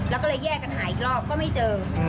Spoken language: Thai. แล้วก็เลยแยกกันหาอีกรอบก็ไม่เจอ